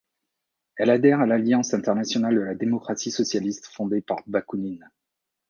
Elle adhère à l'Alliance internationale de la démocratie socialiste fondée par Bakounine.